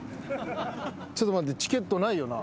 ちょっと待ってチケットないよな？